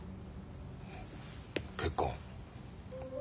結婚。